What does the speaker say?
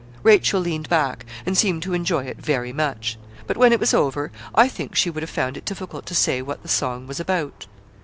Rachel leaned back, and seemed to enjoy it very much. But when it was over, I think she would have found it difficult to say what the song was about.